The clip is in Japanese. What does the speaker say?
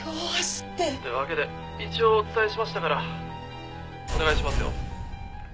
「ってわけで一応お伝えしましたからお願いしますよ」